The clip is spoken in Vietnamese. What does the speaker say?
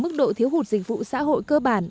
mức độ thiếu hụt dịch vụ xã hội cơ bản